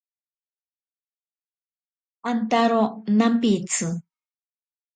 Antaro nampitsi.